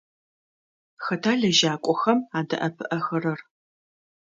Хэта лэжьакӏохэм адэӏэпыӏэхэрэр?